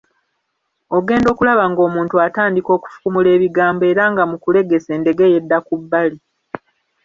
Ogenda okulaba ng'omuntu atandika okufukumula ebigambo era nga mu kulegesa endegeya edda ku bbali.